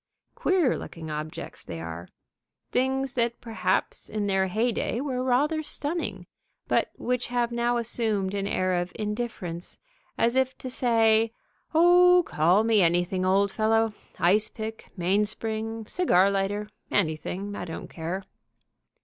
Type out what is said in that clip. Queer looking objects, they are; things that perhaps in their hey dey were rather stunning, but which have now assumed an air of indifference, as if to say, "Oh, call me anything, old fellow, Ice pick, Mainspring, Cigar lighter, anything, I don't care."